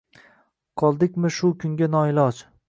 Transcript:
Qoldikmi shu kunga noiloj?